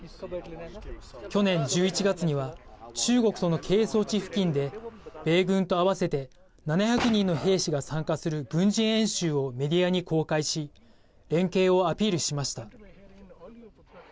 去年１１月には中国との係争地付近で米軍と合わせて７００人の兵士が参加する軍事演習をメディアに公開し連携をアピールしました。